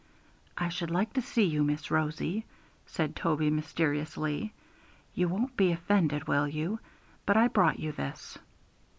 'I should like to see you, Miss Rosie,' said Toby mysteriously. 'You won't be offended, will you? but I brought you this.'